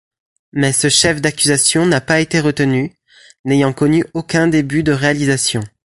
Mais ce chef d'accusation n'a pas été retenu, n'ayant connu aucun début de réalisation.